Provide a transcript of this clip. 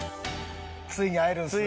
ついに会えるんですね。